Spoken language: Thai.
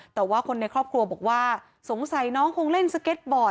แต่ว่าคนในครอบครัวบอกว่าสงสัยน้องคงเล่นสเก็ตบอร์ด